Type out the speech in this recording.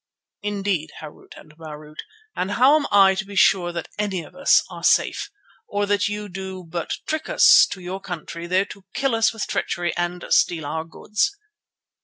"Indeed, Harût and Marût, and how am I to be sure that any of us are safe, or that you do not but trick us to your country, there to kill us with treachery and steal our goods?"